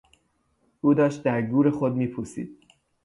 او داشت در گور خود میپوسید.